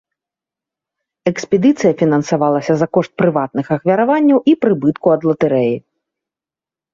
Экспедыцыя фінансавалася за кошт прыватных ахвяраванняў і прыбытку ад латарэі.